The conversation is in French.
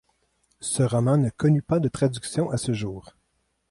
Ce roman ne connut pas de traduction à ce jour.